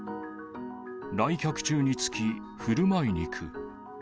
来客中につき、ふるまい肉。